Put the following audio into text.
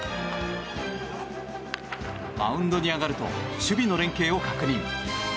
マウンドに上がると守備の連係を確認。